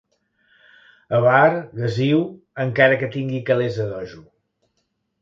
Avar, gasiu, encara que tingui calés a dojo.